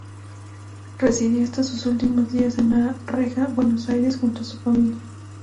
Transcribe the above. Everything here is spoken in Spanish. Residió hasta sus últimos días en La Reja, Buenos Aires junto con su familia.